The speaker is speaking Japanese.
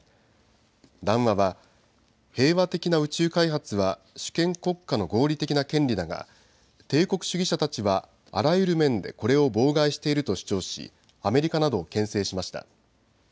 談話は平和的な宇宙開発は主権国家の合理的な権利だが帝国主義者たちは、あらゆる面でこれを妨害していると主張しアメリカなどをけん制しました。